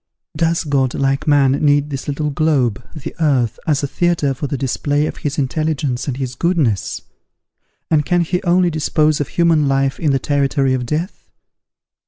Does God, like man, need this little globe, the earth, as a theatre for the display of his intelligence and his goodness? and can he only dispose of human life in the territory of death?